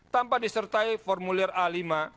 tanpa disertai formulir a lima